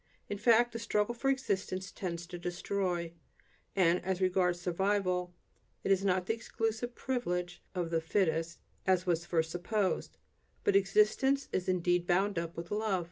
In fact, the struggle for existence tends to destroy; and as regards survival, this is not the exclusive privilege of the "fittest," as was at first supposed. But existence is indeed bound up with love.